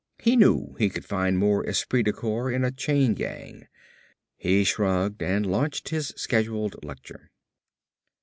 He knew he could find more esprit de corps in a chain gang. He shrugged and launched his scheduled lecture.